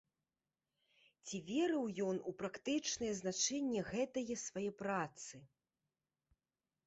Ці верыў ён у практычнае значэнне гэтае свае працы?